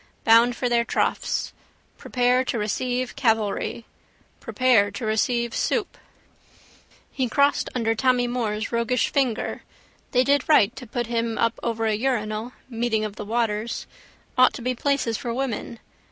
Bound for their troughs. Prepare to receive cavalry. Prepare to receive soup. He crossed under Tommy Moore's roguish finger. They did right to put him up over a urinal: meeting of the waters. Ought to be places for women.